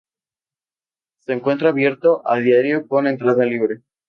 Se encuentra abierto a diario con entrada libre.